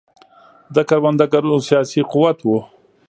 د کروندګرو سیاسي قوت و.